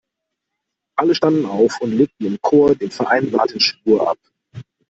Alle standen auf und legten im Chor den vereinbarten Schwur ab.